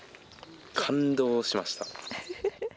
感動しました。